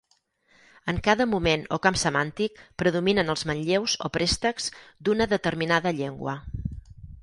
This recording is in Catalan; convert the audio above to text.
En cada moment o camp semàntic predominen els manlleus o préstecs d'una determinada llengua.